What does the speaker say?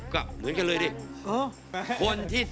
๒๐ครับเหมือนกันเลยดิ